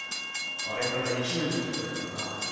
あれから一年たってるからな。